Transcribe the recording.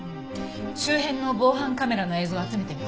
周辺の防犯カメラの映像集めてみて。